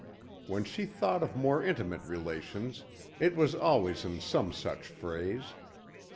When she thought of more intimate relations it was always in some such phrase.